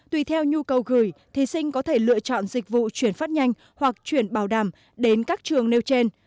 tùy theo nhu cầu gửi thí sinh có thể lựa chọn dịch vụ chuyển phát nhanh hoặc chuyển bảo đảm đến các trường nêu trên